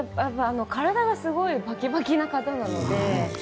体がすごいバキバキな方なので。